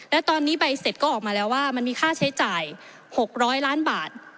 และตอนนี้ใบเสร็จก็ออกมาแล้วว่ามันมีค่าใช้จ่าย๖๐๐ล้านบาท